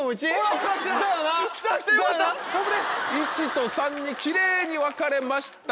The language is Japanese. １と３にキレイに分かれました。